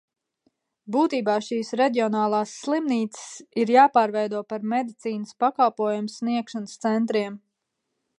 Būtībā šīs reģionālās slimnīcas ir jāpārveido par medicīnas pakalpojumu sniegšanas centriem.